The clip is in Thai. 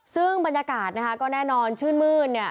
ซึ่งบรรยากาศก็แน่นอนชื่นมืน